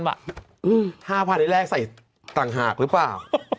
๕๐๐๐บาทในแรกใส่ตังหากหรือเปล่า